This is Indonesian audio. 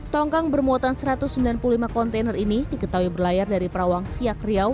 tongkang bermuatan satu ratus sembilan puluh lima kontainer ini diketahui berlayar dari perawang siak riau